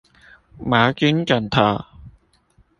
毛巾枕頭